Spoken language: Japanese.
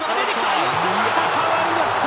よくまた触りました。